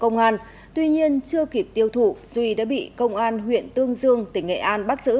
công an tuy nhiên chưa kịp tiêu thụ duy đã bị công an huyện tương dương tỉnh nghệ an bắt giữ